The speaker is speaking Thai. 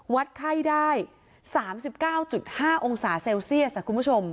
วัดไข้ได้๓๙๕องศาเซลเซียสคุณผู้ชม